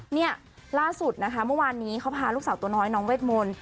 เนี่ยล่าสุดนะคะเมื่อวานนี้เขาพาลูกสาวตัวน้อยน้องเวทมนต์